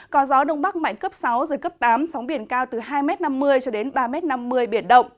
có gió đông bắc mạnh cấp sáu giật cấp tám sóng biển cao từ hai năm mươi cho đến ba năm mươi m biển động